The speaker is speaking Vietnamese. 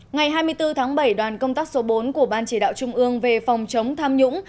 ngày hai mươi bốn tháng bảy đoàn công tác số bốn của ban chỉ đạo trung ương về phòng chống tham nhũng